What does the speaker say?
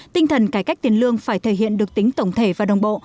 tinh thần cải cách tiền lương phải thể hiện được tính tổng thể và đồng bộ